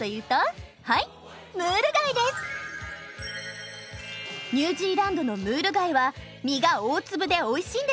ニュージーランドのムール貝は身が大粒でおいしいんですよ！